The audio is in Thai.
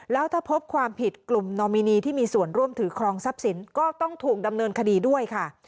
แล้วถ้าพบความผิดกลุ่มนอมินีที่มีส่วนร่วมถือครองทรัพย์สินก็ต้องถูกดำเนินคดีด้วยค่ะ